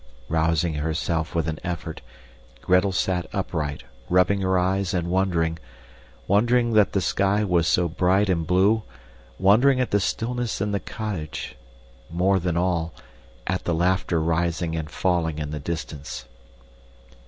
Rousing herself with an effort, Gretel sat upright, rubbing her eyes and wondering wondering that the sky was so bright and blue, wondering at the stillness in the cottage, more than all, at the laughter rising and falling in the distance.